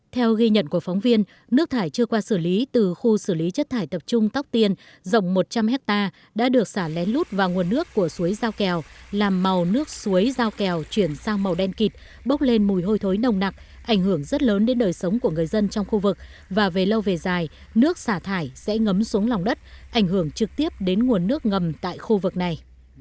theo ghi nhận của phóng viên nước thải chưa qua xử lý từ khu xử lý chất thải tập trung tóc tiên rộng một trăm linh hectare đã được xả lén lút vào nguồn nước của suối giao kèo làm màu nước suối giao kèo chuyển sang màu đen kịt bốc lên mùi hôi thối nồng nặc ảnh hưởng rất lớn đến đời sống của người dân trong khu vực và về lâu về dài nước xả thải sẽ ngấm xuống lòng đất ảnh hưởng trực tiếp đến nguồn nước ngầm tại khu vực này